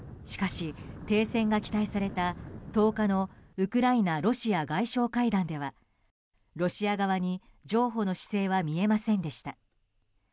しかし、停戦が期待された１０日のウクライナ、ロシア外相会談ではロシア側に譲歩の姿勢は見えませんでした。